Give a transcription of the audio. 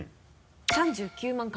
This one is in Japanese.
３９万回。